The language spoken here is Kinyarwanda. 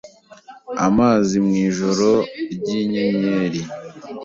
Amazi mwijoro ryinyenyeri